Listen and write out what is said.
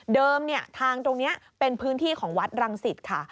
เดิมทางตรงนี้เป็นพื้นที่ของวัดรังศิษย์